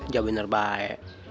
ya bener baik